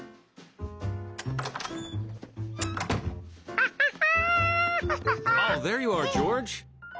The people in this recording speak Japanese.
アハハ。